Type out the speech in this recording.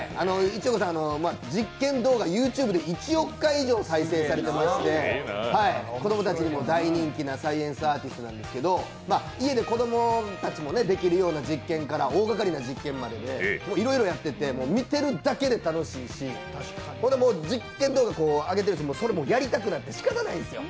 市岡さん、実験動画ＹｏｕＴｕｂｅ１億回以上再生されていて子どもたちにも大人気なサイエンスアーティストなんですけれども、家で子供たちもできる実験から、大がかりな実験までいろいろやってて見てるだけで楽しいし実験動画あげているやつもそれもやりたくなってしかたないんですよ。